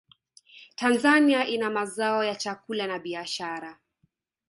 tanzania ina mazao ya chakula na biashara